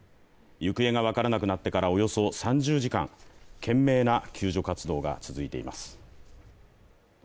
行方が分からなくなってからおよそ３０時間、懸命な救助活動が続いています。